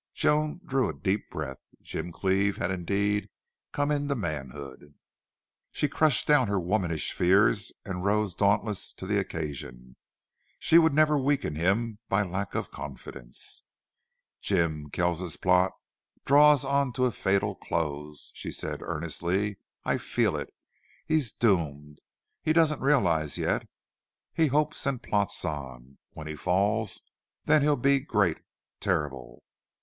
Joan drew a deep breath. Jim Cleve had indeed come into manhood. She crushed down her womanish fears and rose dauntless to the occasion. She would never weaken him by a lack of confidence. "Jim, Kells's plot draws on to a fatal close," she said, earnestly. "I feel it. He's doomed. He doesn't realize that yet. He hopes and plots on. When he falls, then he'll be great terrible.